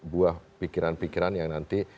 buah pikiran pikiran yang nanti